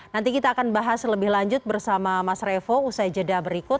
nanti kita akan bahas lebih lanjut bersama mas revo usai jeda berikut